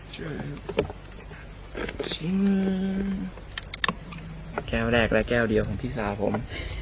ชิ้นแก้วแรกและแก้วเดียวของพี่สาวผม